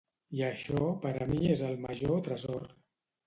I això per a mi és el major tresor.